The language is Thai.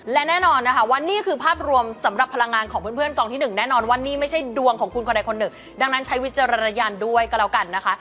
และแน่นอนนะคะว่านี่คือภาพรวมสำหรับพลังงานของเพื่อนเพื่อนกองที่หนึ่งแน่นอนว่านี่ไม่ใช่ดวงของคุณคนใดคนหนึ่งดังนั้นใช้วิจารณญาณด้วยก็แล้วกันนะคะ